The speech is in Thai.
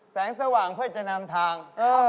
แสงสว่างเพื่อจะนำทาง